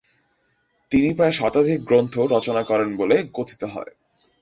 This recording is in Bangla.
তিনি প্রায় শতাধিক গ্রন্থ রচনা করেন বলে কথিত হয়।